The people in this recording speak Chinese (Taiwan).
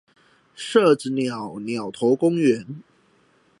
社子島島頭公園